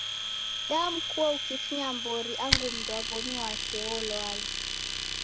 Damkua ukifunya mbori angu mundu wa womi wake wolwala.